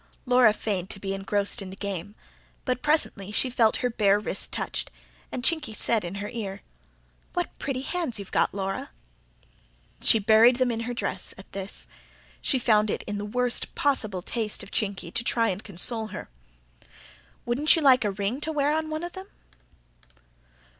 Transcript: Laura feigned to be engrossed in the game. But presently she felt her bare wrist touched, and Chinky said in her ear: "What pretty hands you've got, Laura!" She buried them in her dress, at this. She found it in the worst possible taste of Chinky to try to console her. "Wouldn't you like to wear a ring on one of them?"